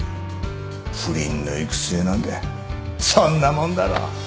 不倫の行く末なんてそんなもんだろ。